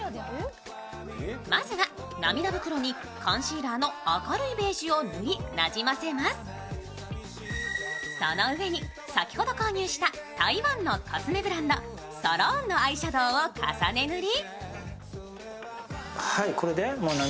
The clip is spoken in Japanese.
まずは涙袋にファンシーラーの明るいベージュを塗りその上に先ほど購入したタイのブランド、ＳＬＮのアイシャドウを重ね塗り。